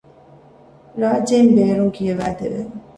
ރާއްޖެއިން ބޭރުން ކިޔަވައިދެވެ